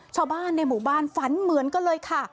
ชาวบ้านในหมู่บ้านฝันเหมือนกันเลยค่ะ